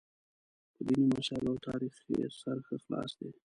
په دیني مسایلو او تاریخ یې سر ښه خلاص دی.